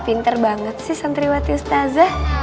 pinter banget sih santriwati ustazah